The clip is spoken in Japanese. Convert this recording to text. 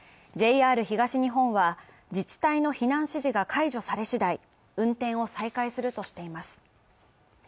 ＪＲ東日本は自治体の避難指示が解除され次第、運転を再開するとしています。